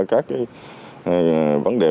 các vấn đề